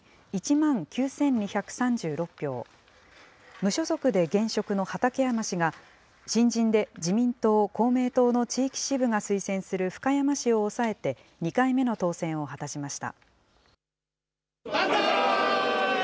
無所属で現職の畠山氏が新人で自民党、公明党の地域支部が推薦する深山氏を抑えて２回目の当選を果たしました。